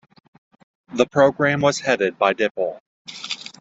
The program was headed by Dipl.